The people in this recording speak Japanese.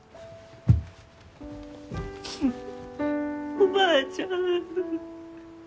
おばあちゃん。